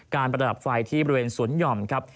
ประดับไฟที่บริเวณสวนหย่อมครับ